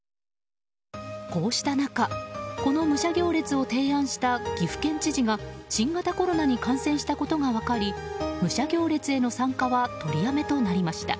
こうした中、この武者行列を提案した岐阜県知事が新型コロナに感染したことが分かり武者行列への参加は取りやめとなりました。